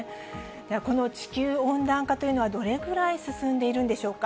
この地球温暖化というのは、どれくらい進んでいるんでしょうか。